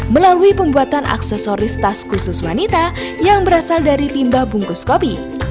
melalui pembuatan aksesoris tas khusus wanita yang berasal dari limbah bungkus kopi